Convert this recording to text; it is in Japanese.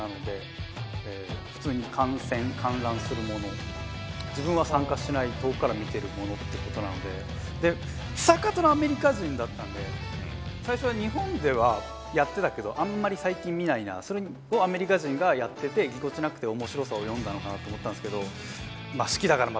えはい自分は参加しない遠くから見てるものってことなのでで久方のアメリカ人だったんで最初は日本ではやってたけどあんまり最近見ないなあそれをアメリカ人がやっててぎこちなくて面白さを詠んだのかなと思ったんすけど。